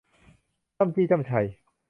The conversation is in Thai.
จ้ำจี้จ้ำไช